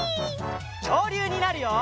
きょうりゅうになるよ！